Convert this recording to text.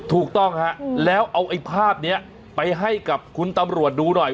ถูกต้องฮะแล้วเอาไอ้ภาพนี้ไปให้กับคุณตำรวจดูหน่อย